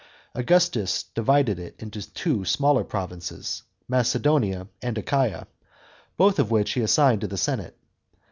Augustus divided it into two smaller provinces, Macedonia and Achaia, both of which he assigned to the senate.